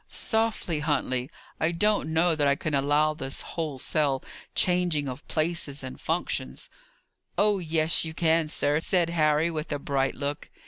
"Softly, Huntley! I don't know that I can allow this wholesale changing of places and functions." "Oh yes, you can, sir," said Harry, with a bright look.